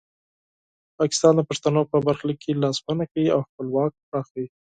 پاکستان د پښتنو په برخلیک کې لاسوهنه کوي او خپل واک پراخوي.